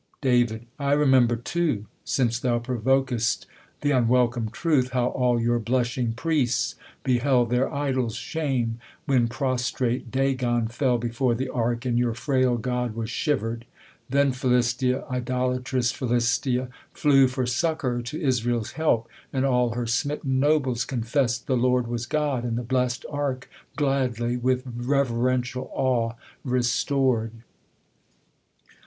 Dav, I remember too, Since thou provok'st th' unwelcome truth, how all Your blushing priests beheld their idol's shame ; When prostrate Dagon fell before the ark. And your frail god was shiver'd* Then Philistia, Idolatrous Philistia flew for succour To Israel's help, and all her smitten nobles Confess'd the Lord was God, and the blest ark, Gladly, with reverential awe restor'd